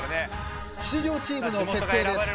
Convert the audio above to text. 出場チームの決定です。